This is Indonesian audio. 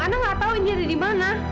ana gak tau indi ada di mana